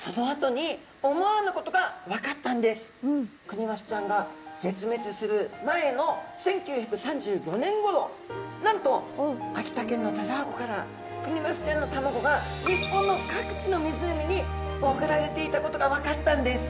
クニマスちゃんが絶滅する前の１９３５年ごろなんと秋田県の田沢湖からクニマスちゃんの卵が日本の各地の湖に送られていたことが分かったんです！